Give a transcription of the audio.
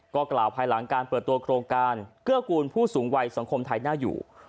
ก็กล่าวภายหลังการเปิดตัวโครงการเกื้อกูลผู้สูงวัยสังคมไทยน่าอยู่